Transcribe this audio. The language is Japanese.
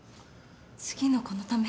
次の子のため？